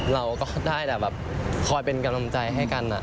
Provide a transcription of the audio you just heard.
เราก็ได้แต่แบบคอยเป็นกำลังใจให้กัน